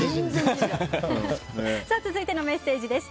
続いてのメッセージです。